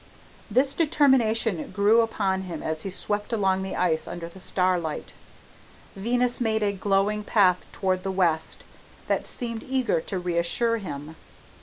This determination grew upon him as he swept along the ice under the starlight. Venus made a glowing path toward the west and seemed eager to reassure him.